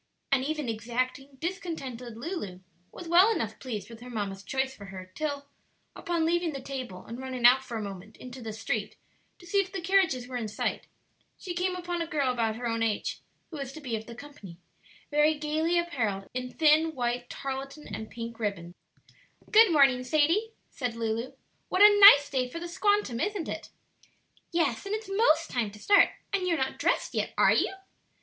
And even exacting, discontented Lulu was well enough pleased with her mamma's choice for her till, upon leaving the table and running out for a moment into the street to see if the carriages were in sight, she came upon a girl about her own age, who was to be of the company, very gayly apparelled in thin white tarletan and pink ribbons, "Good morning, Sadie," said Lulu. "What a nice day for the 'squantum,' isn't it?" "Yes; and it's most time to start, and you're not dressed yet, are you?"